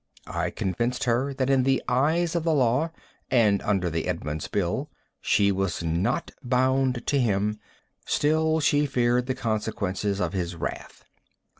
I convinced her that in the eyes of the law, and under the Edmunds bill, she was not bound to him. Still she feared the consequences of his wrath.